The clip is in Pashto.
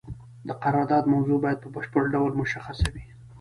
د قرارداد موضوع باید په بشپړ ډول مشخصه وي.